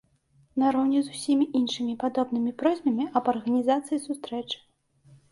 Нароўні з усімі іншымі падобнымі просьбамі аб арганізацыі сустрэчы.